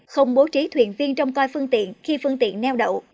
không bố trí thuyền viên trong coi phương tiện khi phương tiện neo đậu